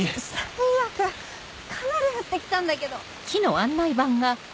最悪かなり降って来たんだけど。